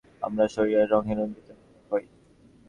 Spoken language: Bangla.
আমরাও শরীরের রঙে রঞ্জিত হইয়া আমাদের যথার্থ স্বরূপ ভুলিয়া গিয়াছি।